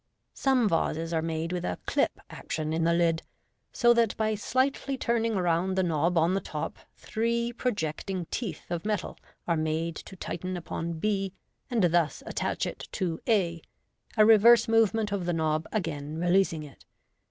Some vases are made with a "clip" action in the lid, so that by slightly turning round the knob on the top three projecting teeth of metal are made to tighten upon b, and thus attach it to a, a reverse movement of the knob again re leasing it.